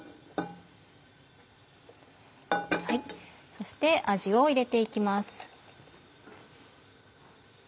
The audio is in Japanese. そしてあじを入れて行きます。